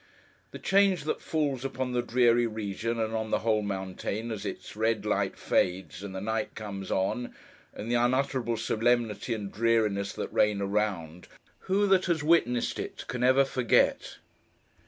The change that falls upon the dreary region, and on the whole mountain, as its red light fades, and the night comes on—and the unutterable solemnity and dreariness that reign around, who that has witnessed it, can ever forget!